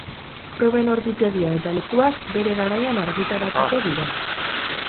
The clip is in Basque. Proben ordutegia eta lekuak bere garaian argitaratuko dira.